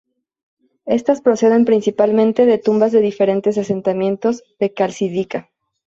Estas proceden principalmente de tumbas de diferentes asentamientos de Calcídica.